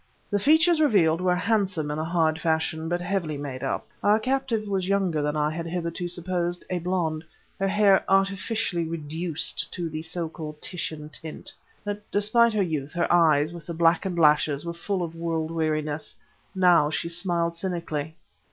The features revealed were handsome in a hard fashion, but heavily made up. Our captive was younger than I had hitherto supposed; a blonde; her hair artificially reduced to the so called Titian tint. But, despite her youth, her eyes, with the blackened lashes, were full of a world weariness. Now she smiled cynically.